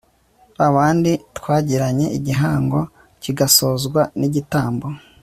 ba bandi twagiranye igihango kigasozwa n'igitambo